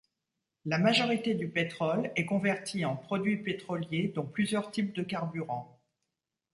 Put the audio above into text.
La majorité du pétrole est converti en produits pétroliers dont plusieurs types de carburants.